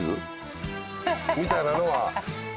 みたいなのは。